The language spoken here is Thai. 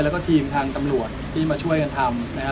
แล้วก็ทีมทางตำรวจที่มาช่วยกันทำนะฮะ